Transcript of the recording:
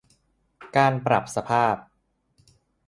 การปรับสภาพ